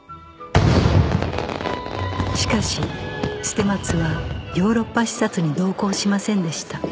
しかし捨松はヨーロッパ視察に同行しませんでした